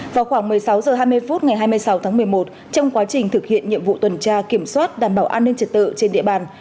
vào khoảng một mươi sáu h hai mươi phút ngày hai mươi sáu tháng một mươi một trong quá trình thực hiện nhiệm vụ tuần tra kiểm soát đảm bảo an ninh trật tự trên địa bàn